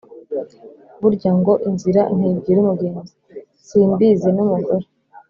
Burya ngo “ inzira ntibwira umugenzi”. Simbizi n’umugore